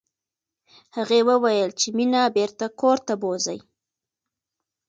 هغې وویل چې مينه بېرته کور ته بوزئ